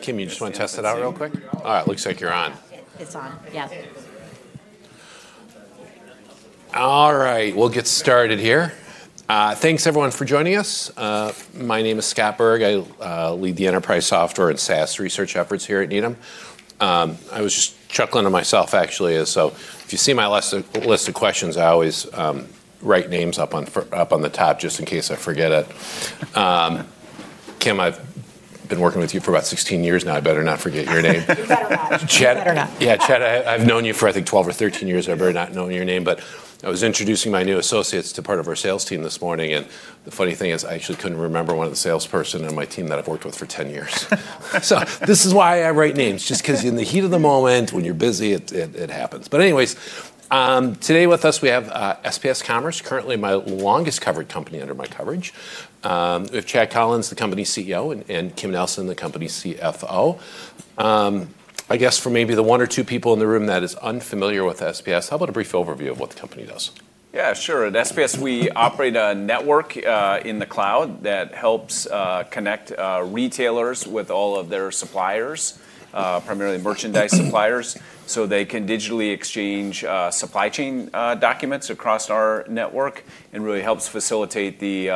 Kim, you just want to test it out real quick? Yeah. All right, looks like you're on. It's on, yeah. All right, we'll get started here. Thanks, everyone, for joining us. My name is Scott Berg. I lead the enterprise software and SaaS research efforts here at Needham. I was just chuckling to myself, actually, so if you see my list of questions, I always write names up on the top just in case I forget it. Kim, I've been working with you for about 16 years now. I better not forget your name. You better not. Yeah, Chad, I've known you for, I think, 12 or 13 years. I better not know your name. But I was introducing my new associates to part of our sales team this morning, and the funny thing is I actually couldn't remember one of the salespersons on my team that I've worked with for 10 years. So this is why I write names, just because in the heat of the moment, when you're busy, it happens. But anyways, today with us, we have SPS Commerce, currently my longest covered company under my coverage. We have Chad Collins, the company CEO, and Kim Nelson, the company CFO. I guess for maybe the one or two people in the room that is unfamiliar with SPS. How about a brief overview of what the company does? Yeah, sure. At SPS, we operate a network in the cloud that helps connect retailers with all of their suppliers, primarily merchandise suppliers, so they can digitally exchange supply chain documents across our network and really helps facilitate the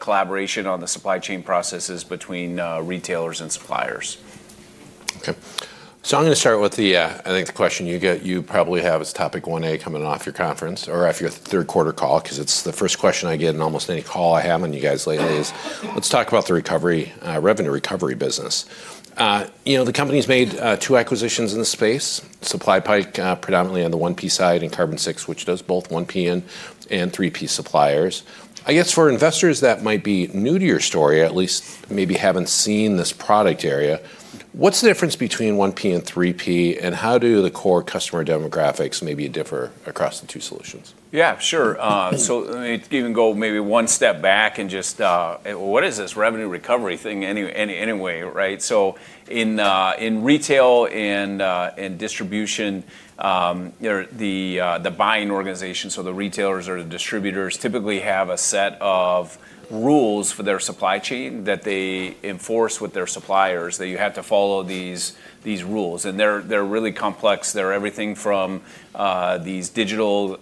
collaboration on the supply chain processes between retailers and suppliers. Okay. So I'm going to start with the, I think, the question you probably have as topic 1A coming off your conference or after your third quarter call, because it's the first question I get in almost any call I have on you guys lately is, let's talk about the revenue recovery business. The company's made two acquisitions in the space, SupplyPike predominantly on the 1P side and Carbon6, which does both 1P and 3P suppliers. I guess for investors that might be new to your story, at least maybe haven't seen this product area, what's the difference between 1P and 3P, and how do the core customer demographics maybe differ across the two solutions? Yeah, sure. So let me even go maybe one step back and just, what is this revenue recovery thing anyway, right? So in retail and distribution, the buying organizations, so the retailers or the distributors, typically have a set of rules for their supply chain that they enforce with their suppliers, that you have to follow these rules. And they're really complex. They're everything from these digital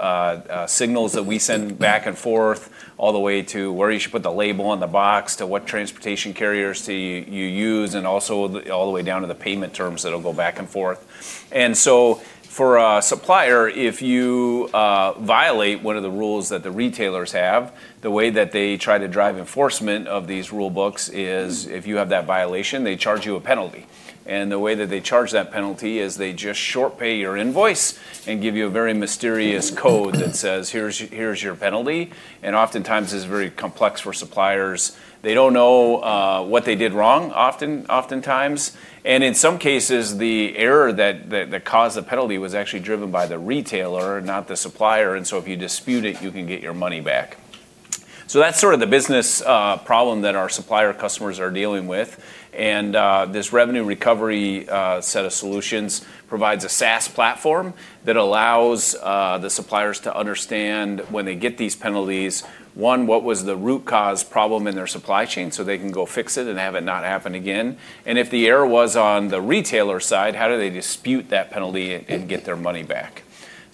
signals that we send back and forth, all the way to where you should put the label on the box, to what transportation carriers you use, and also all the way down to the payment terms that'll go back and forth. And so for a supplier, if you violate one of the rules that the retailers have, the way that they try to drive enforcement of these rule books is if you have that violation, they charge you a penalty. And the way that they charge that penalty is they just short pay your invoice and give you a very mysterious code that says, here's your penalty. And oftentimes, it's very complex for suppliers. They don't know what they did wrong oftentimes. And in some cases, the error that caused the penalty was actually driven by the retailer, not the supplier. And so if you dispute it, you can get your money back. So that's sort of the business problem that our supplier customers are dealing with. And this revenue recovery set of solutions provides a SaaS platform that allows the suppliers to understand when they get these penalties, one, what was the root cause problem in their supply chain so they can go fix it and have it not happen again. And if the error was on the retailer side, how do they dispute that penalty and get their money back?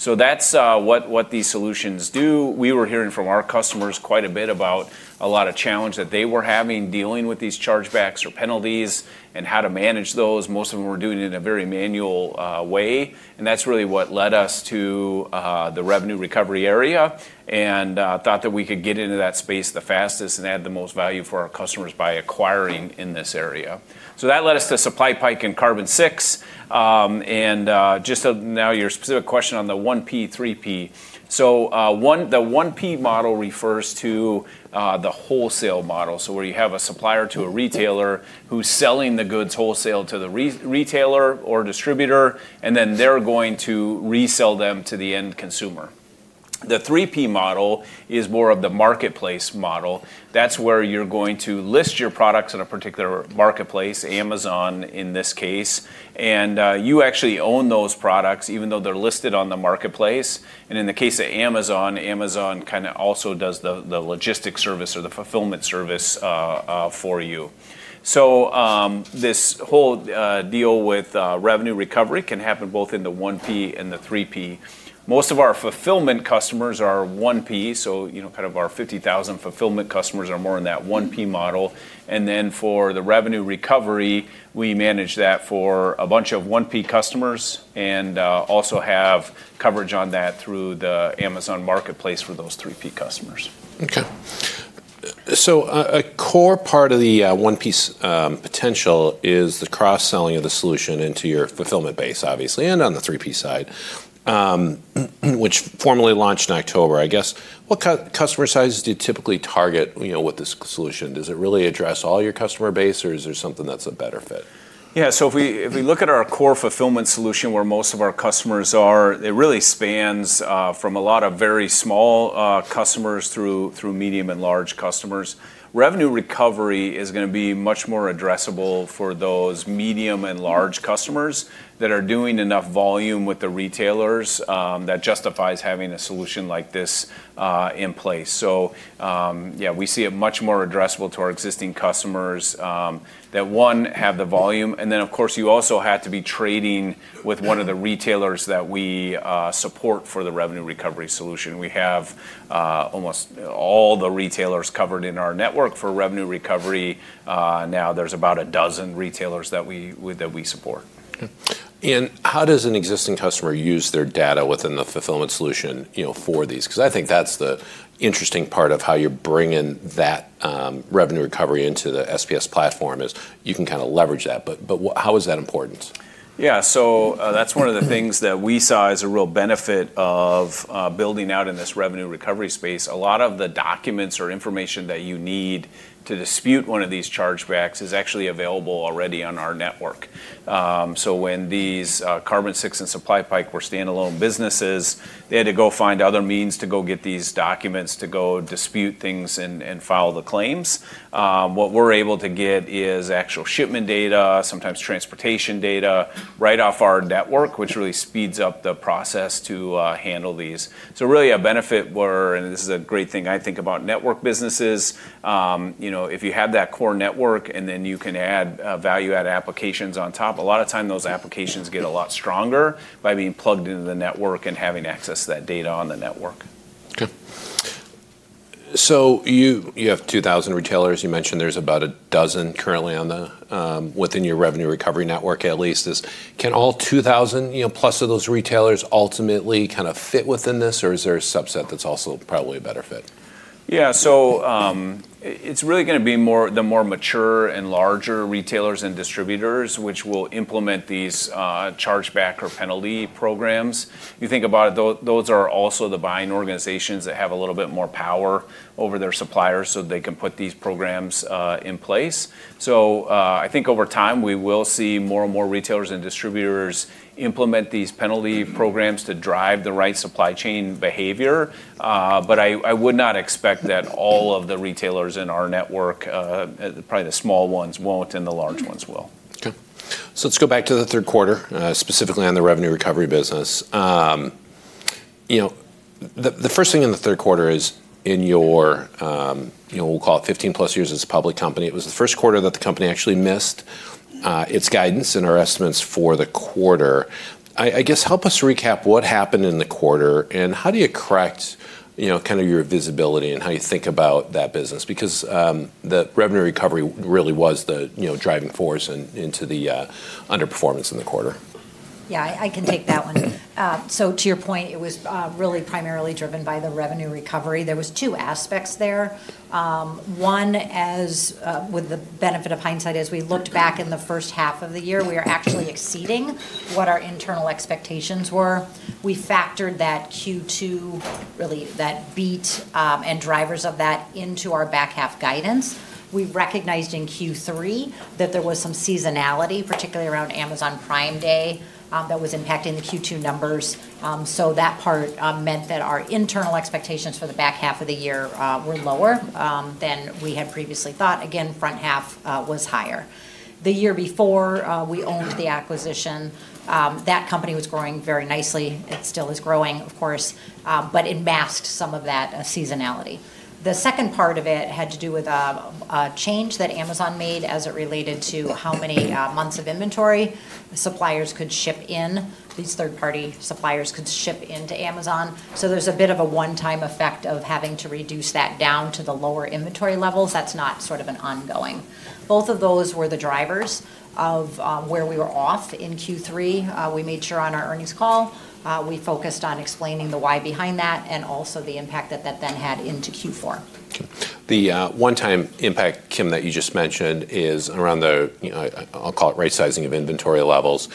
So that's what these solutions do. We were hearing from our customers quite a bit about a lot of challenges that they were having dealing with these chargebacks or penalties and how to manage those. Most of them were doing it in a very manual way. And that's really what led us to the revenue recovery area and thought that we could get into that space the fastest and add the most value for our customers by acquiring in this area. So that led us to SupplyPike and Carbon6. And just now, your specific question on the 1P, 3P. The 1P model refers to the wholesale model, so where you have a supplier to a retailer who's selling the goods wholesale to the retailer or distributor, and then they're going to resell them to the end consumer. The 3P model is more of the marketplace model. That's where you're going to list your products in a particular marketplace, Amazon in this case, and you actually own those products even though they're listed on the marketplace. In the case of Amazon, Amazon kind of also does the logistics service or the fulfillment service for you. This whole deal with revenue recovery can happen both in the 1P and the 3P. Most of our fulfillment customers are 1P, so kind of our 50,000 fulfillment customers are more in that 1P model. For the revenue recovery, we manage that for a bunch of 1P customers and also have coverage on that through the Amazon marketplace for those 3P customers. Okay. So a core part of the 1P's potential is the cross-selling of the solution into your fulfillment base, obviously, and on the 3P side, which formally launched in October, I guess. What customer sizes do you typically target with this solution? Does it really address all your customer base, or is there something that's a better fit? Yeah, so if we look at our core fulfillment solution where most of our customers are, it really spans from a lot of very small customers through medium and large customers. Revenue recovery is going to be much more addressable for those medium and large customers that are doing enough volume with the retailers that justifies having a solution like this in place. So yeah, we see it much more addressable to our existing customers that, one, have the volume. And then, of course, you also have to be trading with one of the retailers that we support for the revenue recovery solution. We have almost all the retailers covered in our network for revenue recovery. Now, there's about a dozen retailers that we support. And how does an existing customer use their data within the fulfillment solution for these? Because I think that's the interesting part of how you're bringing that revenue recovery into the SPS platform is you can kind of leverage that. But how is that important? Yeah, so that's one of the things that we saw as a real benefit of building out in this revenue recovery space. A lot of the documents or information that you need to dispute one of these chargebacks is actually available already on our network. So when these Carbon6 and SupplyPike were standalone businesses, they had to go find other means to go get these documents to go dispute things and file the claims. What we're able to get is actual shipment data, sometimes transportation data right off our network, which really speeds up the process to handle these. So really a benefit where, and this is a great thing I think about network businesses, if you have that core network and then you can add value-add applications on top, a lot of times those applications get a lot stronger by being plugged into the network and having access to that data on the network. Okay. So you have 2,000 retailers. You mentioned there's about a dozen currently within your revenue recovery network, at least. Can all 2,000 plus of those retailers ultimately kind of fit within this, or is there a subset that's also probably a better fit? Yeah, so it's really going to be the more mature and larger retailers and distributors, which will implement these chargeback or penalty programs. If you think about it, those are also the buying organizations that have a little bit more power over their suppliers so they can put these programs in place. So I think over time, we will see more and more retailers and distributors implement these penalty programs to drive the right supply chain behavior. But I would not expect that all of the retailers in our network, probably the small ones won't, and the large ones will. Okay. So let's go back to the third quarter, specifically on the revenue recovery business. The first thing in the third quarter is in your, we'll call it 15-plus years as a public company. It was the first quarter that the company actually missed its guidance and our estimates for the quarter. I guess help us recap what happened in the quarter and how do you correct kind of your visibility and how you think about that business? Because the revenue recovery really was the driving force into the underperformance in the quarter. Yeah, I can take that one. So to your point, it was really primarily driven by the revenue recovery. There were two aspects there. One, with the benefit of hindsight, as we looked back in the first half of the year, we were actually exceeding what our internal expectations were. We factored that Q2, really that beat and drivers of that into our back half guidance. We recognized in Q3 that there was some seasonality, particularly around Amazon Prime Day, that was impacting the Q2 numbers. So that part meant that our internal expectations for the back half of the year were lower than we had previously thought. Again, front half was higher. The year before we owned the acquisition, that company was growing very nicely. It still is growing, of course, but it masked some of that seasonality. The second part of it had to do with a change that Amazon made as it related to how many months of inventory suppliers could ship in. These third-party suppliers could ship into Amazon. So there's a bit of a one-time effect of having to reduce that down to the lower inventory levels. That's not sort of an ongoing. Both of those were the drivers of where we were off in Q3. We made sure on our earnings call, we focused on explaining the why behind that and also the impact that that then had into Q4. Okay. The one-time impact, Kim, that you just mentioned is around the, I'll call it right-sizing of inventory levels.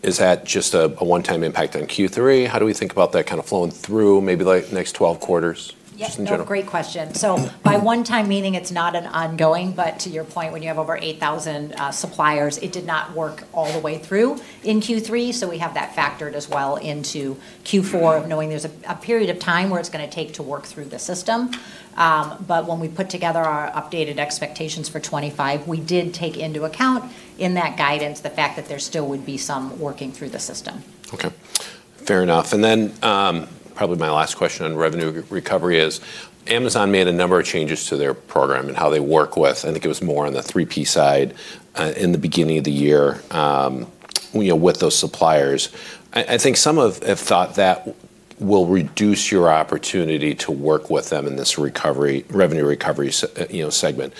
Is that just a one-time impact on Q3? How do we think about that kind of flowing through maybe the next 12 quarters? Yes, no, great question. So by one-time meaning, it's not an ongoing. But to your point, when you have over 8,000 suppliers, it did not work all the way through in Q3. So we have that factored as well into Q4 of knowing there's a period of time where it's going to take to work through the system. But when we put together our updated expectations for 2025, we did take into account in that guidance the fact that there still would be some working through the system. Okay. Fair enough. And then probably my last question on revenue recovery is Amazon made a number of changes to their program and how they work with, I think it was more on the 3P side in the beginning of the year with those suppliers. I think some have thought that will reduce your opportunity to work with them in this revenue recovery segment.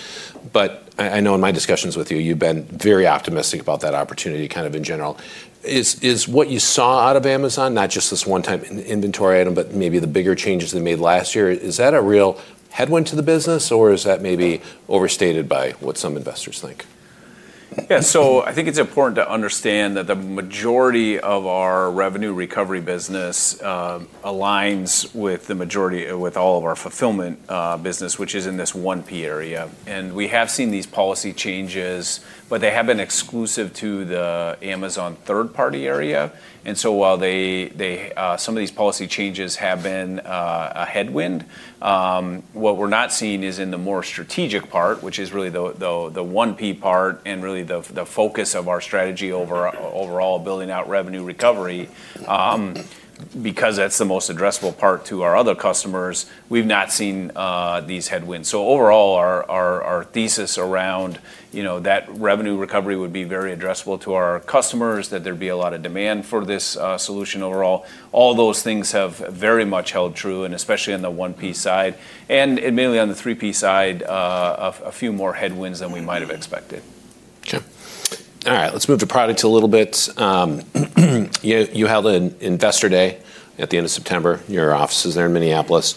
But I know in my discussions with you, you've been very optimistic about that opportunity kind of in general. Is what you saw out of Amazon, not just this one-time inventory item, but maybe the bigger changes they made last year, is that a real headwind to the business, or is that maybe overstated by what some investors think? Yeah, so I think it's important to understand that the majority of our revenue recovery business aligns with all of our fulfillment business, which is in this 1P area, and we have seen these policy changes, but they have been exclusive to the Amazon third-party area, and so while some of these policy changes have been a headwind, what we're not seeing is in the more strategic part, which is really the 1P part and really the focus of our strategy overall, building out revenue recovery, because that's the most addressable part to our other customers. We've not seen these headwinds, so overall, our thesis around that revenue recovery would be very addressable to our customers, that there'd be a lot of demand for this solution overall. All those things have very much held true, and especially on the 1P side. Mainly on the 3P side, a few more headwinds than we might have expected. Okay. All right, let's move to product a little bit. You held an Investor Day at the end of September. Your office is there in Minneapolis.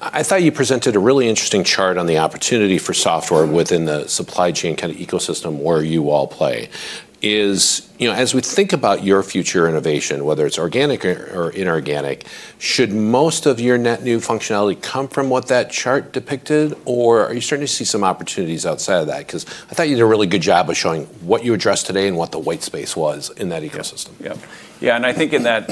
I thought you presented a really interesting chart on the opportunity for software within the supply chain kind of ecosystem where you all play. As we think about your future innovation, whether it's organic or inorganic, should most of your net new functionality come from what that chart depicted, or are you starting to see some opportunities outside of that? Because I thought you did a really good job of showing what you addressed today and what the white space was in that ecosystem. Yeah, yeah, and I think in that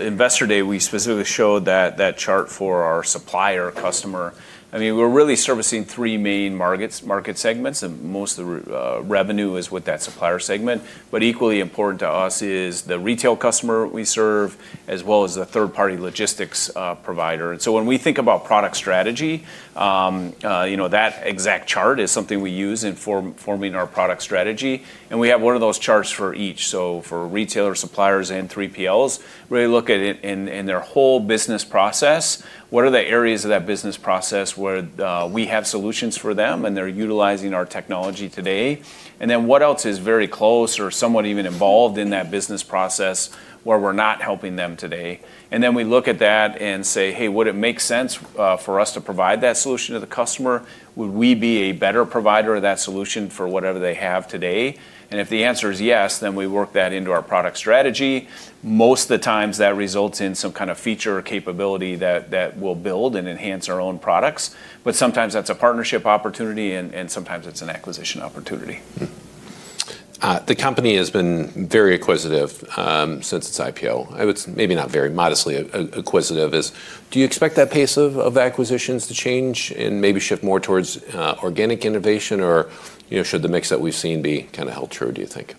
Investor Day, we specifically showed that chart for our supplier customer. I mean, we're really servicing three main market segments, and most of the revenue is with that supplier segment, but equally important to us is the retail customer we serve, as well as the third-party logistics provider. And so when we think about product strategy, that exact chart is something we use in forming our product strategy, and we have one of those charts for each, so for retailers, suppliers, and 3PLs, really look at it in their whole business process. What are the areas of that business process where we have solutions for them and they're utilizing our technology today? And then what else is very close or somewhat even involved in that business process where we're not helping them today? And then we look at that and say, "Hey, would it make sense for us to provide that solution to the customer? Would we be a better provider of that solution for whatever they have today?" And if the answer is yes, then we work that into our product strategy. Most of the times, that results in some kind of feature or capability that will build and enhance our own products. But sometimes that's a partnership opportunity, and sometimes it's an acquisition opportunity. The company has been very acquisitive since its IPO. It's maybe not very modestly acquisitive. Do you expect that pace of acquisitions to change and maybe shift more towards organic innovation, or should the mix that we've seen be kind of held true, do you think?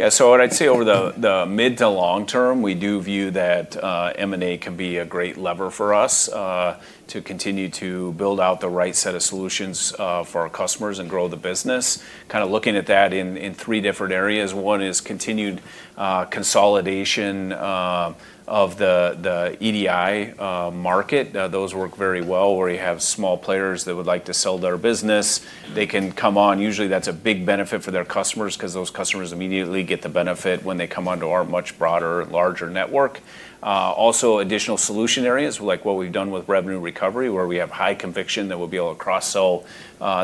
Yeah, so I'd say over the mid- to long-term, we do view that M&A can be a great lever for us to continue to build out the right set of solutions for our customers and grow the business. Kind of looking at that in three different areas. One is continued consolidation of the EDI market. Those work very well where you have small players that would like to sell their business. They can come on. Usually, that's a big benefit for their customers because those customers immediately get the benefit when they come onto our much broader, larger network. Also, additional solution areas like what we've done with revenue recovery, where we have high conviction that we'll be able to cross-sell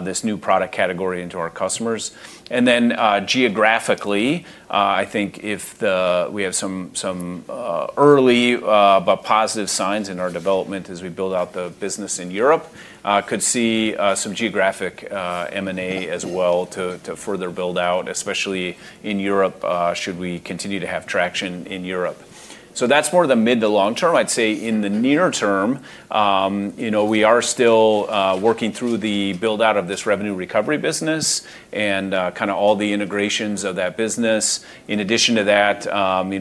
this new product category into our customers. And then geographically, I think if we have some early but positive signs in our development as we build out the business in Europe, could see some geographic M&A as well to further build out, especially in Europe should we continue to have traction in Europe. So that's more of the mid to long term. I'd say in the near term, we are still working through the build-out of this revenue recovery business and kind of all the integrations of that business. In addition to that,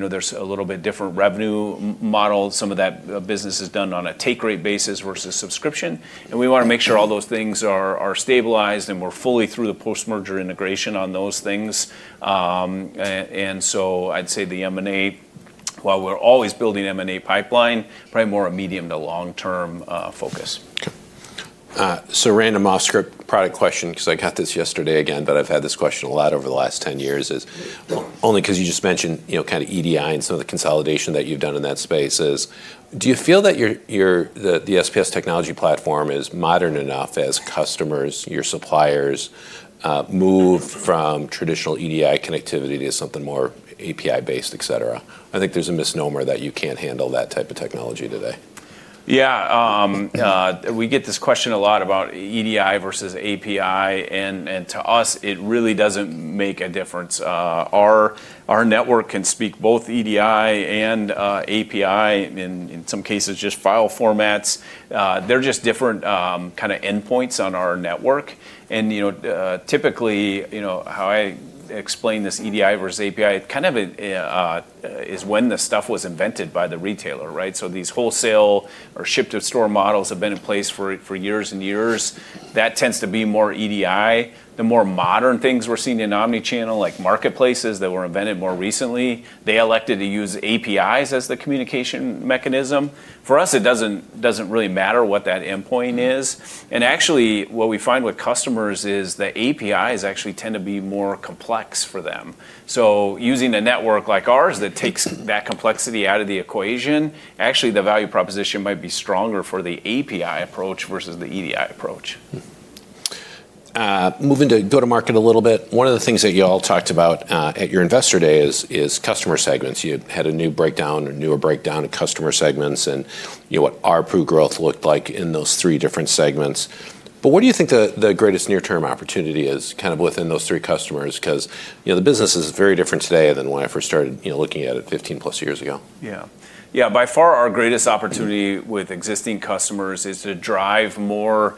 there's a little bit different revenue model. Some of that business is done on a take-rate basis versus subscription. And we want to make sure all those things are stabilized and we're fully through the post-merger integration on those things. And so I'd say the M&A, while we're always building M&A pipeline, probably more a medium to long-term focus. Okay. So, random off-script product question because I got this yesterday again, but I've had this question a lot over the last 10 years, is only because you just mentioned kind of EDI and some of the consolidation that you've done in that space. Do you feel that the SPS technology platform is modern enough as customers, your suppliers, move from traditional EDI connectivity to something more API-based, etc.? I think there's a misnomer that you can't handle that type of technology today. Yeah, we get this question a lot about EDI versus API. And to us, it really doesn't make a difference. Our network can speak both EDI and API, in some cases just file formats. They're just different kind of endpoints on our network. And typically, how I explain this EDI versus API, it kind of is when the stuff was invented by the retailer, right? So these wholesale or ship-to-store models have been in place for years and years. That tends to be more EDI. The more modern things we're seeing in omnichannel, like marketplaces that were invented more recently, they elected to use APIs as the communication mechanism. For us, it doesn't really matter what that endpoint is. And actually, what we find with customers is the APIs actually tend to be more complex for them. So using a network like ours that takes that complexity out of the equation, actually the value proposition might be stronger for the API approach versus the EDI approach. Moving to go-to-market a little bit. One of the things that you all talked about at your Investor Day is customer segments. You had a new breakdown or newer breakdown of customer segments and what our approved growth looked like in those three different segments. But what do you think the greatest near-term opportunity is kind of within those three customers? Because the business is very different today than when I first started looking at it 15-plus years ago. Yeah, yeah. By far, our greatest opportunity with existing customers is to drive more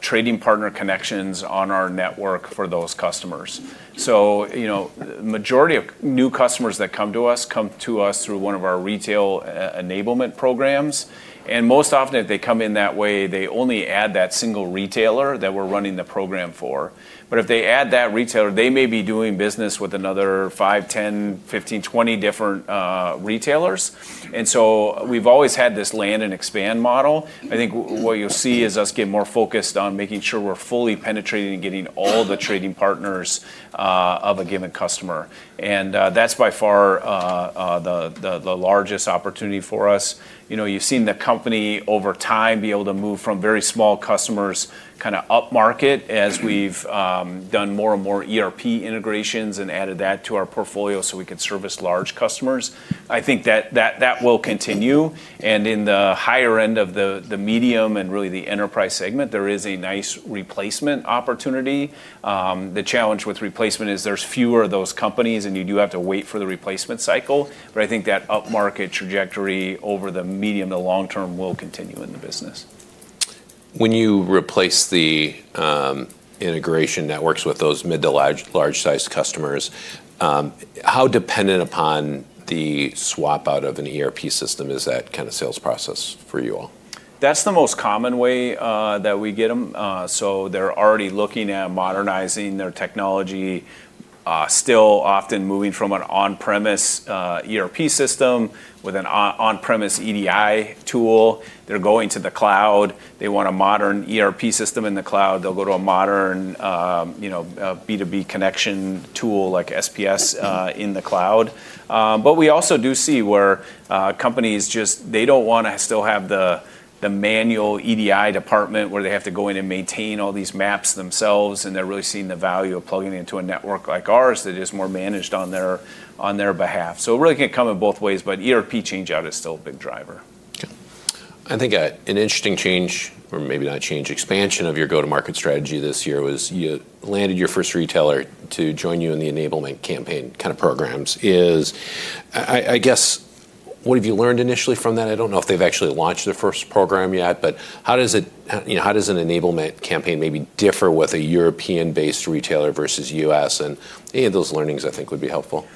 trading partner connections on our network for those customers. So the majority of new customers that come to us come to us through one of our retail enablement programs. And most often, if they come in that way, they only add that single retailer that we're running the program for. But if they add that retailer, they may be doing business with another five, 10, 15, 20 different retailers. And so we've always had this land and expand model. I think what you'll see is us get more focused on making sure we're fully penetrating and getting all the trading partners of a given customer. And that's by far the largest opportunity for us. You've seen the company over time be able to move from very small customers kind of up-market as we've done more and more ERP integrations and added that to our portfolio so we can service large customers. I think that that will continue, and in the higher end of the medium and really the enterprise segment, there is a nice replacement opportunity. The challenge with replacement is there's fewer of those companies and you do have to wait for the replacement cycle, but I think that up-market trajectory over the medium to long term will continue in the business. When you replace the integration networks with those mid to large-sized customers, how dependent upon the swap out of an ERP system is that kind of sales process for you all? That's the most common way that we get them. So they're already looking at modernizing their technology, still often moving from an on-premise ERP system with an on-premise EDI tool. They're going to the cloud. They want a modern ERP system in the cloud. They'll go to a modern B2B connection tool like SPS in the cloud. But we also do see where companies just, they don't want to still have the manual EDI department where they have to go in and maintain all these maps themselves. And they're really seeing the value of plugging into a network like ours that is more managed on their behalf. So it really can come in both ways, but ERP change-out is still a big driver. Okay. I think an interesting change, or maybe not change, expansion of your go-to-market strategy this year was you landed your first retailer to join you in the enablement campaign kind of programs. I guess, what have you learned initially from that? I don't know if they've actually launched their first program yet, but how does an enablement campaign maybe differ with a European-based retailer versus U.S.? And any of those learnings, I think, would be helpful.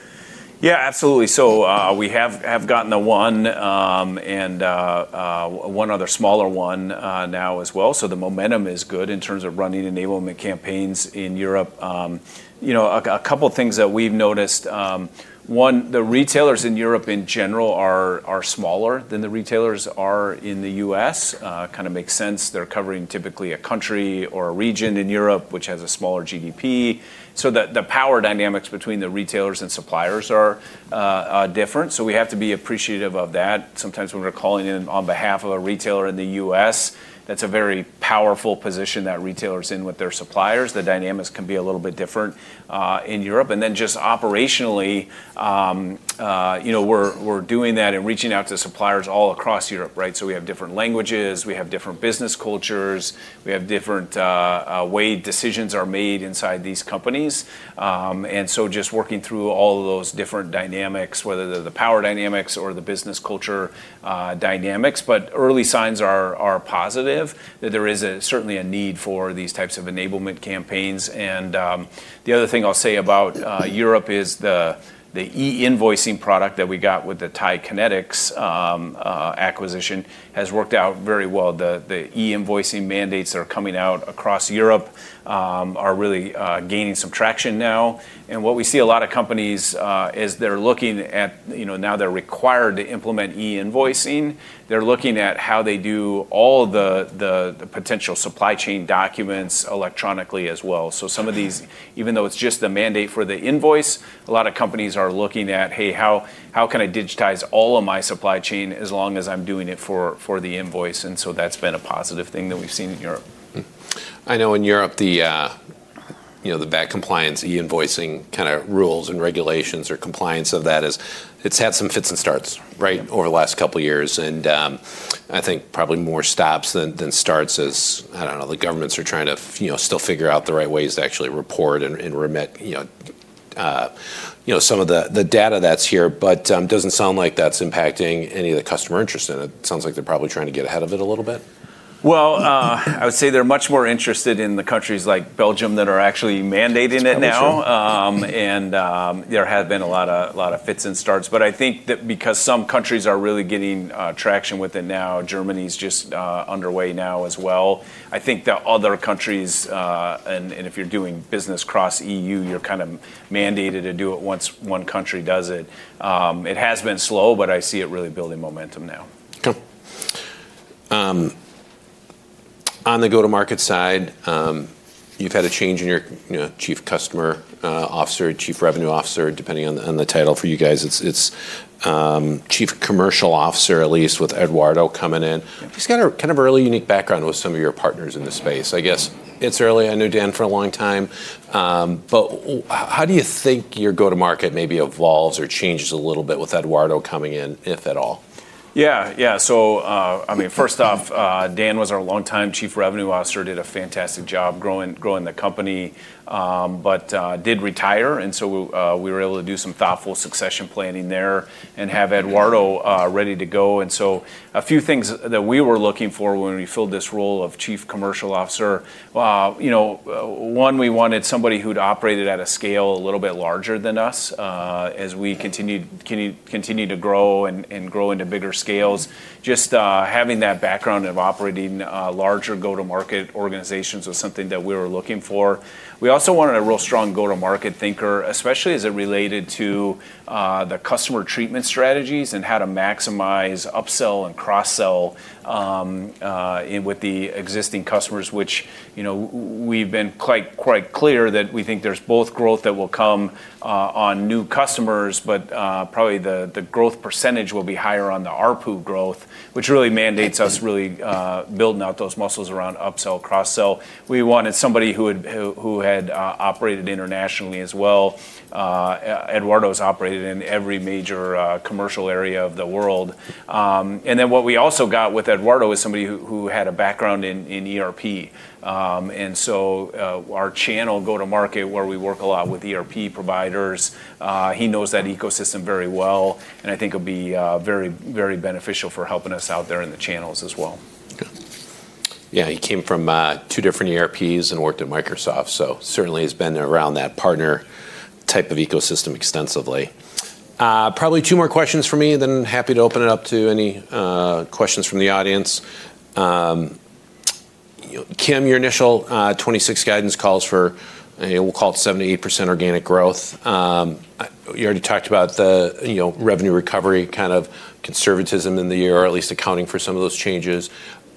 Yeah, absolutely. So we have gotten the one and one other smaller one now as well. So the momentum is good in terms of running enablement campaigns in Europe. A couple of things that we've noticed. One, the retailers in Europe in general are smaller than the retailers are in the U.S. Kind of makes sense. They're covering typically a country or a region in Europe, which has a smaller GDP. So the power dynamics between the retailers and suppliers are different. So we have to be appreciative of that. Sometimes when we're calling in on behalf of a retailer in the U.S., that's a very powerful position that retailers in with their suppliers. The dynamics can be a little bit different in Europe. And then just operationally, we're doing that and reaching out to suppliers all across Europe, right? So we have different languages. We have different business cultures. We have different ways decisions are made inside these companies. And so just working through all of those different dynamics, whether they're the power dynamics or the business culture dynamics, but early signs are positive that there is certainly a need for these types of enablement campaigns. And the other thing I'll say about Europe is the e-invoicing product that we got with the TIE Kinetix acquisition has worked out very well. The e-invoicing mandates that are coming out across Europe are really gaining some traction now. And what we see a lot of companies is they're looking at now they're required to implement e-invoicing. They're looking at how they do all the potential supply chain documents electronically as well. So some of these, even though it's just the mandate for the invoice, a lot of companies are looking at, "Hey, how can I digitize all of my supply chain as long as I'm doing it for the invoice?" And so that's been a positive thing that we've seen in Europe. I know in Europe, the VAT compliance e-invoicing kind of rules and regulations or compliance of that is it's had some fits and starts, right, over the last couple of years. And I think probably more stops than starts as, I don't know, the governments are trying to still figure out the right ways to actually report and remit some of the data that's here. But it doesn't sound like that's impacting any of the customer interest in it. It sounds like they're probably trying to get ahead of it a little bit. I would say they're much more interested in the countries like Belgium that are actually mandating it now. And there have been a lot of fits and starts. But I think that because some countries are really getting traction with it now, Germany's just underway now as well. I think that other countries, and if you're doing business cross-EU, you're kind of mandated to do it once one country does it. It has been slow, but I see it really building momentum now. Okay. On the go-to-market side, you've had a change in your chief customer officer, chief revenue officer, depending on the title for you guys. It's chief commercial officer, at least with Eduardo coming in. He's got kind of a really unique background with some of your partners in the space. I guess it's early. I knew Dan for a long time. But how do you think your go-to-market maybe evolves or changes a little bit with Eduardo coming in, if at all? Yeah, yeah. So I mean, first off, Dan was our long-time Chief Revenue Officer, did a fantastic job growing the company, but did retire, and so we were able to do some thoughtful succession planning there and have Eduardo ready to go, and so a few things that we were looking for when we filled this role of Chief Commercial Officer. One, we wanted somebody who'd operated at a scale a little bit larger than us as we continued to grow and grow into bigger scales. Just having that background of operating larger go-to-market organizations was something that we were looking for. We also wanted a real strong go-to-market thinker, especially as it related to the customer treatment strategies and how to maximize upsell and cross-sell with the existing customers, which we've been quite clear that we think there's both growth that will come on new customers, but probably the growth percentage will be higher on the ARPU growth, which really mandates us really building out those muscles around upsell, cross-sell. We wanted somebody who had operated internationally as well. Eduardo has operated in every major commercial area of the world. And then what we also got with Eduardo is somebody who had a background in ERP. And so our channel go-to-market, where we work a lot with ERP providers, he knows that ecosystem very well. And I think it would be very, very beneficial for helping us out there in the channels as well. Yeah, he came from two different ERPs and worked at Microsoft. So certainly he's been around that partner type of ecosystem extensively. Probably two more questions for me, then happy to open it up to any questions from the audience. Kim, your initial 2026 guidance calls for, we'll call it 7 to 8% organic growth. You already talked about the revenue recovery kind of conservatism in the year, or at least accounting for some of those changes.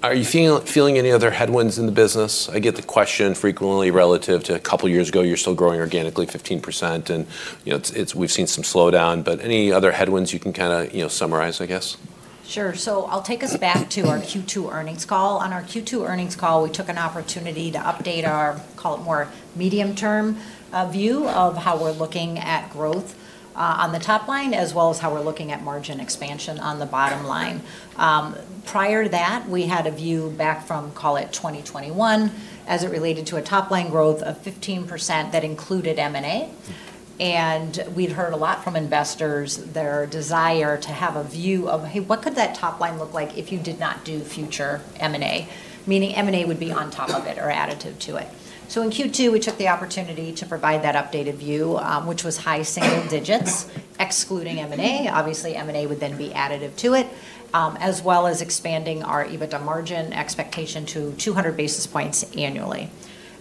Are you feeling any other headwinds in the business? I get the question frequently relative to a couple of years ago, you're still growing organically 15%, and we've seen some slowdown. But any other headwinds you can kind of summarize, I guess? Sure. So I'll take us back to our Q2 earnings call. On our Q2 earnings call, we took an opportunity to update our, call it more medium-term view of how we're looking at growth on the top line, as well as how we're looking at margin expansion on the bottom line. Prior to that, we had a view back from, call it 2021, as it related to a top-line growth of 15% that included M&A. And we'd heard a lot from investors, their desire to have a view of, "Hey, what could that top line look like if you did not do future M&A?" Meaning M&A would be on top of it or additive to it. So in Q2, we took the opportunity to provide that updated view, which was high single digits, excluding M&A. Obviously, M&A would then be additive to it, as well as expanding our EBITDA margin expectation to 200 basis points annually.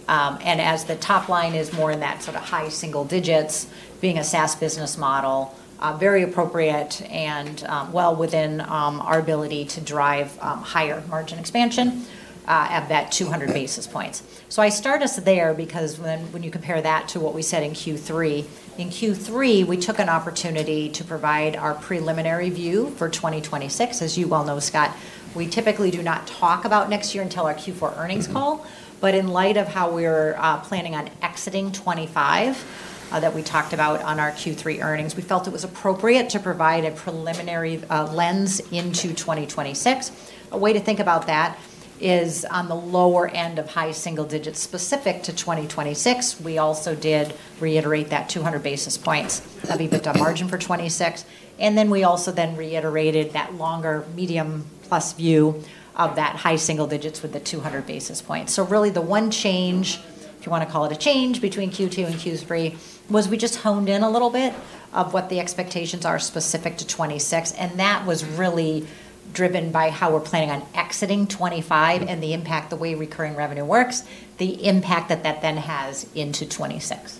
And as the top line is more in that sort of high single digits, being a SaaS business model, very appropriate and well within our ability to drive higher margin expansion at that 200 basis points. So I start us there because when you compare that to what we said in Q3, in Q3, we took an opportunity to provide our preliminary view for 2026. As you well know, Scott, we typically do not talk about next year until our Q4 earnings call. But in light of how we're planning on exiting 2025 that we talked about on our Q3 earnings, we felt it was appropriate to provide a preliminary lens into 2026. A way to think about that is on the lower end of high single digits specific to 2026. We also did reiterate that 200 basis points of EBITDA margin for 2026. And then we also then reiterated that longer medium-plus view of that high single digits with the 200 basis points. So really the one change, if you want to call it a change between Q2 and Q3, was we just honed in a little bit of what the expectations are specific to 2026. And that was really driven by how we're planning on exiting 2025 and the impact the way recurring revenue works, the impact that that then has into 2026.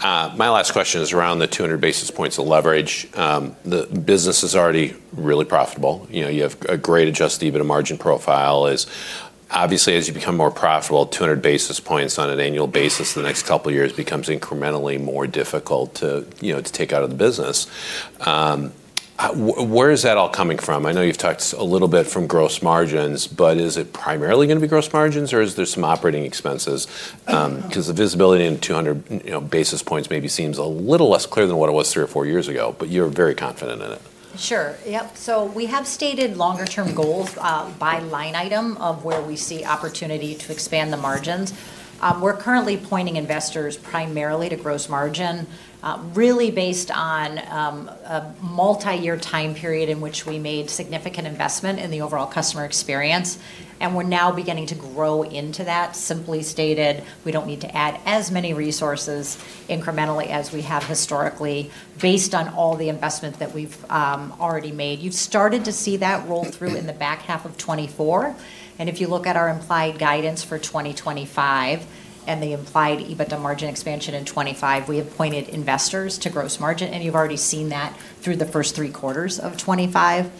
Okay. My last question is around the 200 basis points of leverage. The business is already really profitable. You have a great adjusted EBITDA margin profile. Obviously, as you become more profitable, 200 basis points on an annual basis in the next couple of years becomes incrementally more difficult to take out of the business. Where is that all coming from? I know you've talked a little bit from gross margins, but is it primarily going to be gross margins or is there some operating expenses? Because the visibility in 200 basis points maybe seems a little less clear than what it was three or four years ago, but you're very confident in it. Sure. Yep, so we have stated longer-term goals by line item of where we see opportunity to expand the margins. We're currently pointing investors primarily to gross margin, really based on a multi-year time period in which we made significant investment in the overall customer experience, and we're now beginning to grow into that. Simply stated, we don't need to add as many resources incrementally as we have historically based on all the investment that we've already made. You've started to see that roll through in the back half of 2024, and if you look at our implied guidance for 2025 and the implied EBITDA margin expansion in 2025, we have pointed investors to gross margin, and you've already seen that through the first three quarters of 2025.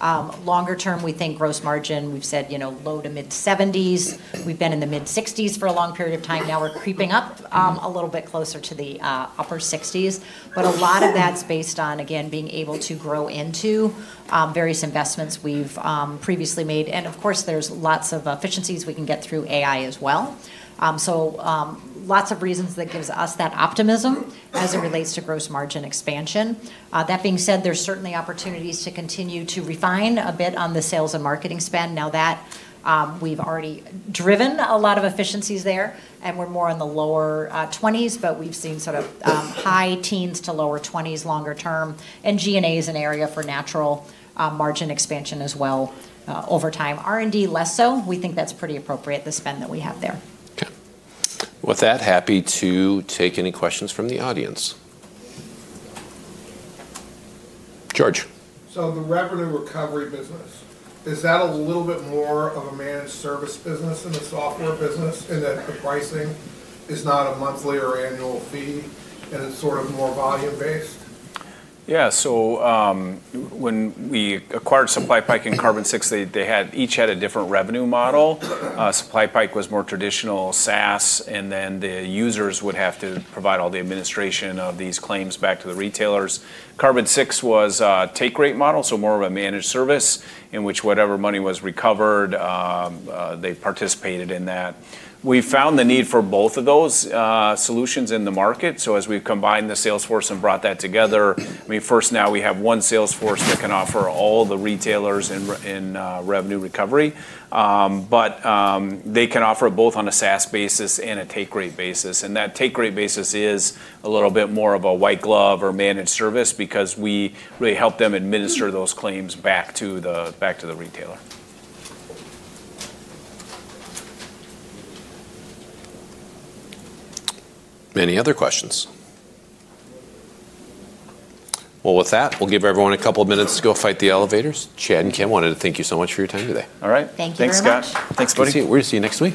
Longer term, we think gross margin. We've said low to mid-70s. We've been in the mid-60s for a long period of time. Now we're creeping up a little bit closer to the upper 60s, but a lot of that's based on, again, being able to grow into various investments we've previously made. And of course, there's lots of efficiencies we can get through AI as well, so lots of reasons that gives us that optimism as it relates to gross margin expansion. That being said, there's certainly opportunities to continue to refine a bit on the sales and marketing spend now that we've already driven a lot of efficiencies there, and we're more in the lower 20s, but we've seen sort of high teens-lower 20s longer term, and G&A is an area for natural margin expansion as well over time. R&D less so. We think that's pretty appropriate, the spend that we have there. Okay. With that, happy to take any questions from the audience. George. So the revenue recovery business, is that a little bit more of a managed service business than the software business in that the pricing is not a monthly or annual fee and it's sort of more volume-based? Yeah. So when we acquired SupplyPike and Carbon6, they each had a different revenue model. SupplyPike was more traditional SaaS, and then the users would have to provide all the administration of these claims back to the retailers. Carbon6 was a take-rate model, so more of a managed service in which whatever money was recovered, they participated in that. We found the need for both of those solutions in the market. So as we've combined the sales force and brought that together, I mean, first now we have one sales force that can offer all the retailers in revenue recovery. But they can offer both on a SaaS basis and a take-rate basis. And that take-rate basis is a little bit more of a white glove or managed service because we really help them administer those claims back to the retailer. Any other questions? Well, with that, we'll give everyone a couple of minutes to go fight the elevators. Chad and Kim, I wanted to thank you so much for your time today. All right. Thank you so much. Thanks, Scott. We'll see you next week.